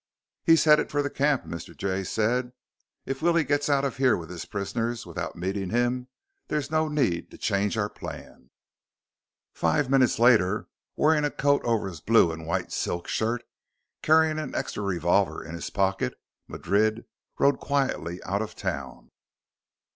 "He's headed for the camp," Mr. Jay said. "If Willie gets out of here with his prisoners without meeting him, there's no need to change our plan." Five minutes later, wearing a coat over his blue and white silk shirt, carrying an extra revolver in his pocket, Madrid rode quietly out of town.